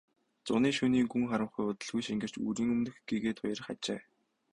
Зуны шөнийн гүн харанхуй удалгүй шингэрч үүрийн өмнөх гэгээ туяарах ажээ.